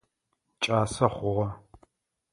Кӏасэ хъугъэ.